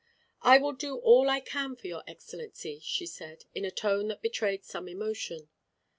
"I will do all I can for your Excellency," she said, in a tone that betrayed some emotion.